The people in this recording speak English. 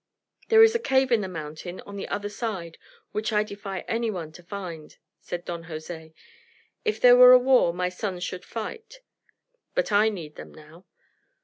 "There is a cave in the mountain on the other side which I defy anyone to find," said Don Jose. "If there were a war my sons should fight, but I need them now."